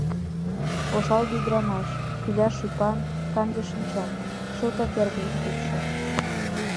Ошалге ӱдырамаш, кӱляш ӱпан, канде шинчан — чылтак эргыжын тӱсшӧ.